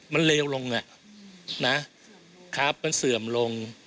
มันเลวลงนะครับมันเสื่อมลง